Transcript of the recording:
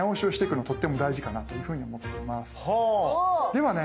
ではね